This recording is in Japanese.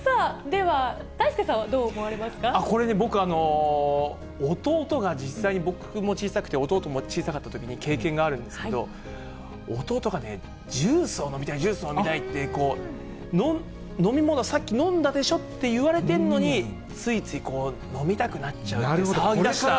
では、これね、僕、弟が実際に僕も小さくて、弟も小さかったときに経験があるんですけど、弟がね、ジュースを飲みたい、ジュースを飲みたいって、飲み物、さっき飲んだでしょって言われてるのに、ついつい飲みたくなっちゃって、騒ぎだした。